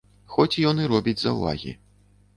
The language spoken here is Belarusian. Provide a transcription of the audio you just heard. Хоць ён і робіць заўвагі.